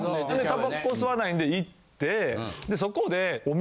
たばこ吸わないんで行ってそこで。